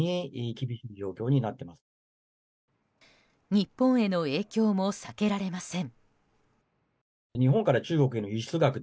日本への影響も避けられません。